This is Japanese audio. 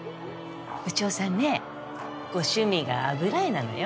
部長さんねご趣味が油絵なのよ。